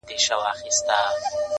o آس چي خداى خواروي، نو ئې يابو کي٫